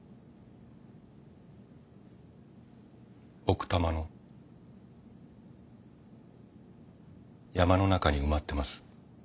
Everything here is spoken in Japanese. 奥多摩の山の中に埋まってます。